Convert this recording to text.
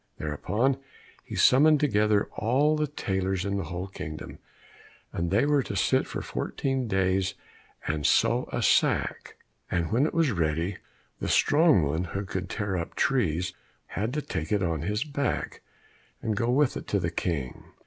Thereupon he summoned together all the tailors in the whole kingdom, and they were to sit for fourteen days and sew a sack. And when it was ready, the strong one who could tear up trees had to take it on his back, and go with it to the King.